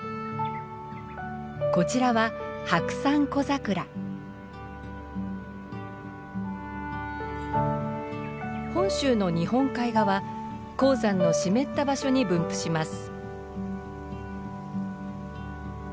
こちらは本州の日本海側高山の湿った場所に分布します。